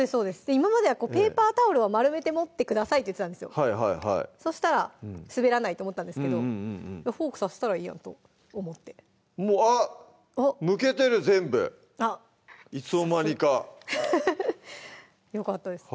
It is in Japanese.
今まではペーパータオルを丸めて持ってくださいって言ってたんですよそしたら滑らないって思ったんですけどフォーク刺したらいいやんと思ってあっむけてる全部いつの間にかよかったです